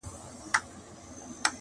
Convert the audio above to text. • مګر تا له خلکو نه دي اورېدلي؟ -